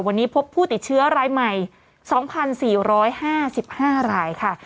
วันนี้พบผู้ติดเชื้อรายใหม่๒๔๕๕รายค่ะ